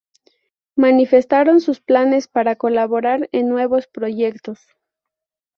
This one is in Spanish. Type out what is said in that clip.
Manifestaron sus planes para colaborar en nuevos proyectos.